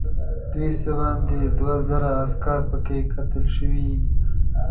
دوی څه باندې دوه زره عسکر پکې قتل شوي.